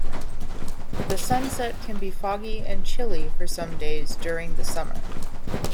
The Sunset can be foggy and chilly for some days during summer.